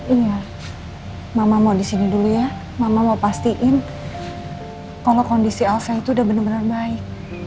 iya mama mau di sini dulu ya mama mau pastiin kalau kondisi alsa itu udah benar benar baik